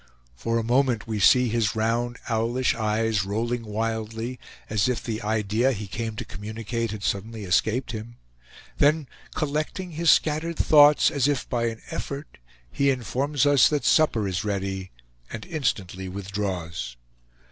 For a moment we see his round owlish eyes rolling wildly, as if the idea he came to communicate had suddenly escaped him; then collecting his scattered thoughts, as if by an effort, he informs us that supper is ready, and instantly withdraws.